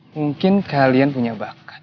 mungkin kalian punya bakat